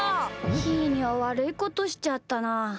ひーにはわるいことしちゃったな。